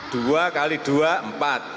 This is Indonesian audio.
dua kali dua empat